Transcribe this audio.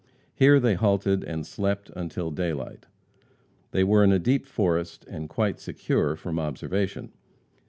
Here they halted and slept until daylight. They were in a deep forest, and quite secure from observation.